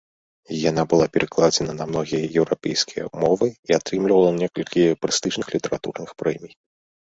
Яна была перакладзеная на многія еўрапейскія мовы і атрымала некалькі прэстыжных літаратурных прэмій.